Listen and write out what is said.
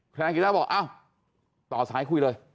นายกิจ้าบอกเอ้าต่อสายคุยเลย